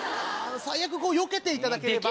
最悪よけていただければ。